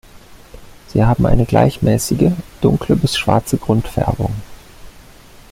Sie haben eine gleichmäßige, dunkle bis schwarze Grundfärbung.